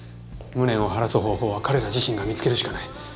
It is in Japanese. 無念を晴らす方法は彼ら自身が見つけるしかない。